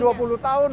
sampai dua puluh tahun